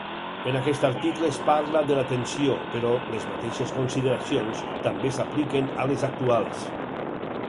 En aquest article es parla de la tensió, però, les mateixes consideracions també s'apliquen a les actuals.